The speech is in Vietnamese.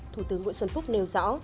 thủ tướng nguyễn xuân phúc nêu rõ